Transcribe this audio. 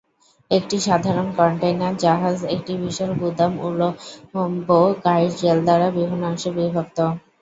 একটি সাধারণ কন্টেইনার জাহাজ একটি বিশাল গুদাম উল্লম্ব গাইড রেল দ্বারা বিভিন্ন অংশে বিভক্ত।